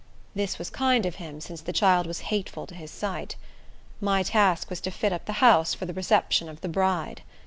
This was kind of him, since the child was hateful to his sight. My task was to fit up the house for the reception of the bride.